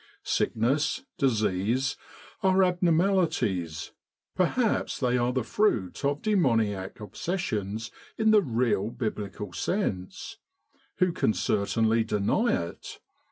Sick ness, disease, are abnormalities perhaps they are the fruit of demoniac obsessions in the real biblical sense, who can certainly deny it?